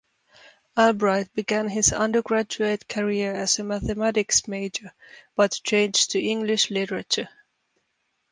Albright began his undergraduate career as a mathematics major, but changed to English literature.